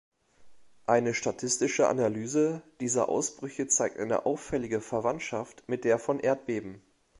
Eine statistische Analyse dieser Ausbrüche zeigt eine auffällige Verwandtschaft mit der von Erdbeben.